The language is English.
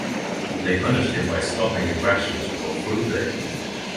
They punished him by stopping his rations for a full day.